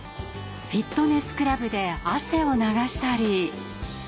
フィットネスクラブで汗を流したり。